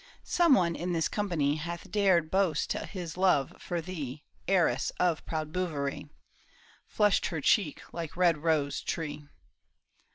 Some one in this company Hath dared boast his love for thee, Heiress of proud Bouverie." Flushed her cheek like red rose tree.